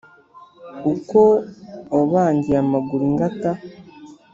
Uko wabangiye amaguru ingata